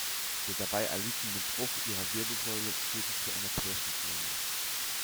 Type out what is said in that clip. Der dabei erlittene Bruch ihrer Wirbelsäule führte zu einer Querschnittlähmung.